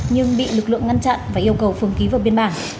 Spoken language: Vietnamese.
nhưng bị lực lượng ngăn chặn và yêu cầu phường ký vào biên bản